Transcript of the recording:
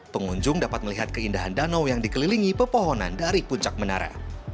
pengunjung dapat melihat keindahan danau yang dikelilingi pepohonan dari puncak menara